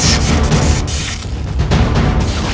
jangan kira kira apa itu